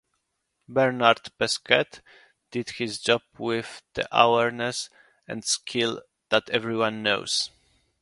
Bernard Pesquet did his job with the awareness and skill that everyone knows.